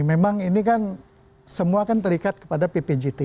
memang ini kan semua kan terikat kepada ppjt